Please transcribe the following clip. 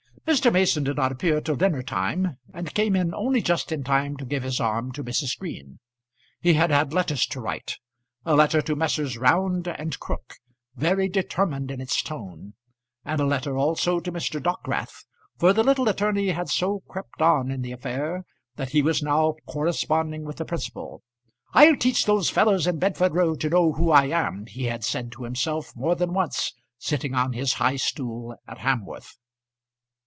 Mr. Mason did not appear till dinner time, and came in only just in time to give his arm to Mrs. Green. He had had letters to write, a letter to Messrs. Round and Crook, very determined in its tone; and a letter also to Mr. Dockwrath, for the little attorney had so crept on in the affair that he was now corresponding with the principal. "I'll teach those fellows in Bedford Row to know who I am," he had said to himself more than once, sitting on his high stool at Hamworth.